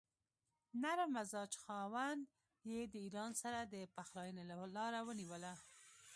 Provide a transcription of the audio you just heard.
نرم مزاج خاوند یې د ایران سره د پخلاینې لاره ونیوله.